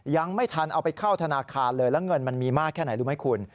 ยังไม่ทันเอาไปเข้าธนาคารเลยแล้วเงินมันมีมากแค่ไหนรู้ไหมคุณ